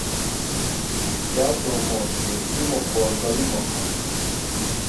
Byatomotswe bimokorwa bimoka